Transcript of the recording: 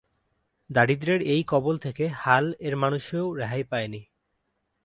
দারিদ্র্যের এই কবল থেকে "হাল্" এর মানুষও রেহাই পায়নি।